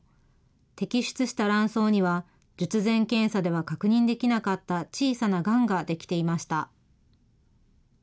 摘出した卵巣には、術前検査では確認できなかった小さながんが出来ていました。